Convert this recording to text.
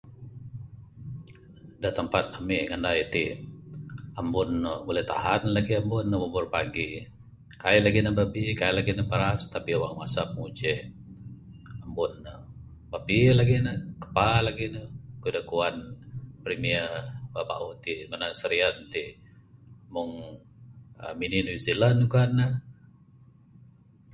Da tempat ami nganai ti...ambun ne buleh tahan lagih ambun ne babar burupagi...kaii lagih ne babi kaii lagih ne paras tapi wang masa mbuh uje...ambun ne babi lagih ne kapa lagih ne...kayuh da kuan premier bauh-bauh ti manang Serian ti meng uhh mini New Zealand kuan ne.